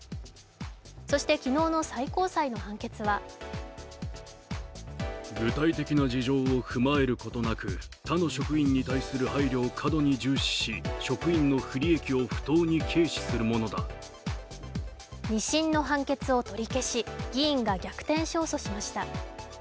そして昨日の最高裁の判決は二審の判決を取り消し職員が逆転勝訴しました。